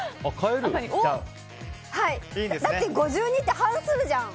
だって５２って半数じゃん。